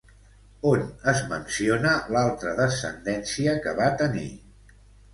On es menciona l'altra descendència que va tenir?